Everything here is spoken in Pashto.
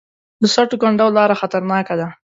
د سټو کنډو لاره خطرناکه ده